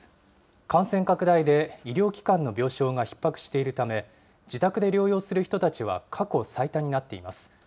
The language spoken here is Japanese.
感染拡大で医療機関の病床がひっ迫しているため、自宅で療養する人たちは過去最多になっています。